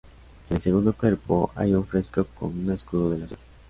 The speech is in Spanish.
En el segundo cuerpo hay un fresco con un escudo de la ciudad.